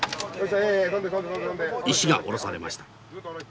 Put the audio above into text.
石が下ろされました。